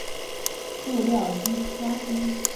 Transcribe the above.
塑料垃圾已经飘至每一个海洋。